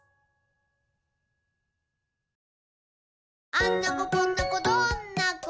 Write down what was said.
「あんな子こんな子どんな子？